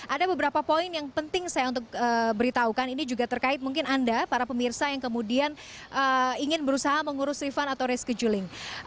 ada beberapa poin yang penting saya untuk beritahukan ini juga terkait mungkin anda para pemirsa yang kemudian ingin berusaha mengurus refund atau resculing